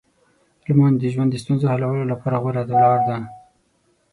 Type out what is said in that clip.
لمونځ د ژوند د ستونزو حلولو لپاره غوره لار ده.